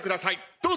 どうぞ！